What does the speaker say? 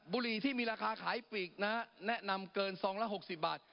บุหรี่ที่มีราคาขายปีกแนะนำเกิน๒ละ๖๐บาท